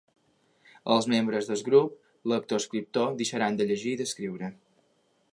Els membres del grup lectoescriptor deixaran de llegir i d'escriure.